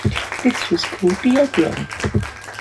This was called the Oblong.